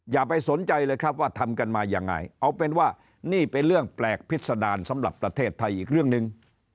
อย่าไปสนใจเลยครับว่าทำกันมายังไงเอาเป็นว่านี่เป็นเรื่องแปลกพิษดารสำหรับประเทศไทยอีกเรื่องหนึ่ง